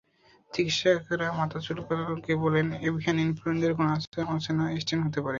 চিকিৎসকেরা মাথা চুলকে বললেন, এভিয়ান ইনফ্লুয়েঞ্জার কোনো অচেনা স্ট্রেইন হতে পারে।